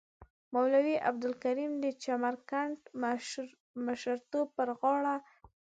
مولوی عبدالکریم د چمرکنډ مشرتوب پر غاړه لري.